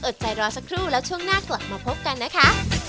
ใจรอสักครู่แล้วช่วงหน้ากลับมาพบกันนะคะ